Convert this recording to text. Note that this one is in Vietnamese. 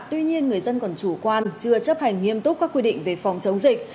tuy nhiên người dân còn chủ quan chưa chấp hành nghiêm túc các quy định về phòng chống dịch